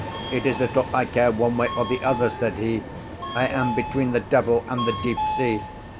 "It is little I care one way or the other," said he. "I am between the devil and the deep sea.